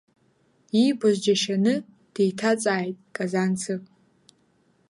Иибоз џьашьаны деиҭаҵааит Казанцев.